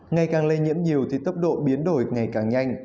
ngày càng lây nhiễm nhiều thì tốc độ biến đổi ngày càng nhanh